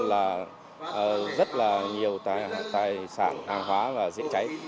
là rất là nhiều tài sản hàng hóa và diễn cháy